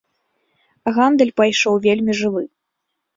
Гандаль пайшоў вельмі жывы.